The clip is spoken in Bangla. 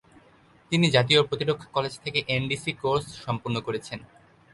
তিনি জাতীয় প্রতিরক্ষা কলেজ থেকে এনডিসি কোর্স সম্পন্ন করেছেন।